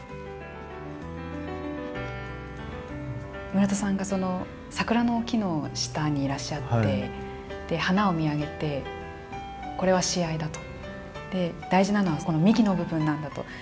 村田さんが桜の木の下にいらっしゃって、で、花を見上げて、これは試合だとで、大事なのはこの幹の部分なんだと。